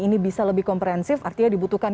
ini bisa lebih komprehensif artinya dibutuhkan